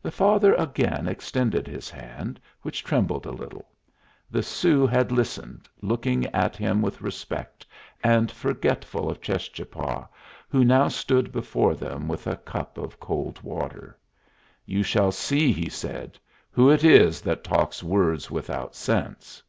The father again extended his hand, which trembled a little. The Sioux had listened, looking at him with respect, and forgetful of Cheschapah, who now stood before them with a cup of cold water. "You shall see," he said, "who it is that talks words without sense."